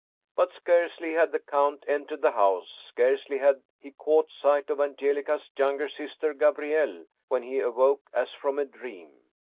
But scarcely had the count entered the house, scarcely had he caught sight of Angelica's younger sister, Gabrielle, when he awoke as from a dream.